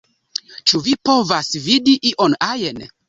Ĉu vi povas vidi ion ajn?